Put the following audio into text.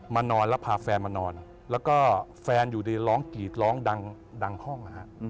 นอนแล้วพาแฟนมานอนแล้วก็แฟนอยู่ดีร้องกรีดร้องดังห้อง